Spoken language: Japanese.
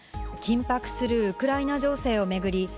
緊迫するウクライナ情勢を巡り